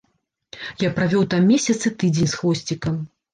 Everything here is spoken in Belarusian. Я правёў там месяц і тыдзень з хвосцікам.